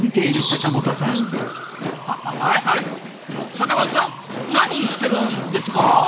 阪本さん何してるんですか？